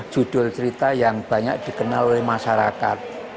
judul cerita yang banyak dikenal oleh masyarakat